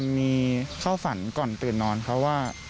มีเข้าฝันก่อนตื่นนอนเขาว่า